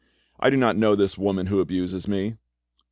I do not know this woman who abuses me."